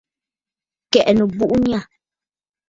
Kɛ̀ʼɛ nɨbuʼu nyâ.